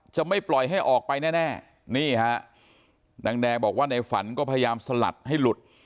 จะไม่ปล่อยให้ออกไปแน่นี่ฮะนางแดงบอกว่าในฝันก็พยายามสลัดให้หลุด